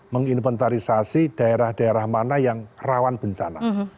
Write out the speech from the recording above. menginventarisasi daerah daerah mana yang rawan bencana